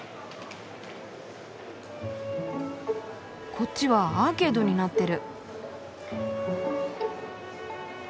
こっちはアーケードになってる。